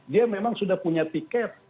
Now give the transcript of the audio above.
dia memang sudah punya tiket